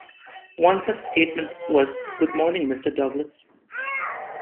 One such statement was, Good morning, Mr. Douglas!